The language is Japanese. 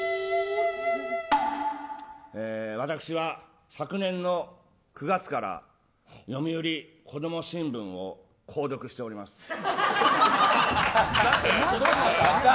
私は、昨年の９月から読売ＫＯＤＯＭＯ新聞を購読しております。